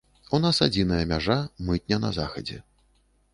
У нас адзіная мяжа, мытня на захадзе.